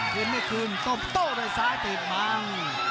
ขึ้นไม่ขึ้นโต้โดด้วยซ้ายติดบัง